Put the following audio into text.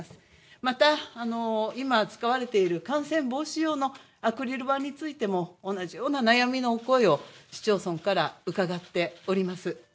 また、今、使われている感染防止用のアクリル板についても同じような悩みの声を市町村からうかがっております。